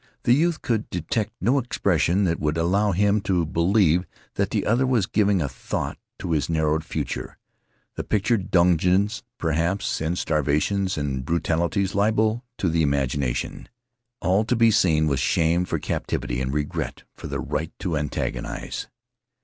The youth could detect no expression that would allow him to believe that the other was giving a thought to his narrowed future, the pictured dungeons, perhaps, and starvations and brutalities, liable to the imagination. All to be seen was shame for captivity and regret for the right to antagonize.